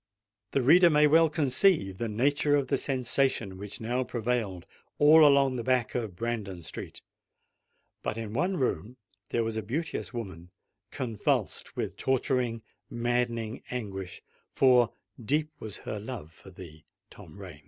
The reader may well conceive the nature of the sensation which now prevailed all along the back of Brandon Street;—but in one room there was a beauteous woman convulsed with torturing—maddening anguish,—for deep was her love for thee, Tom Rain!